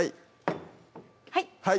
はい